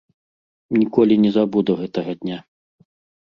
Ніколі не забуду гэтага дня.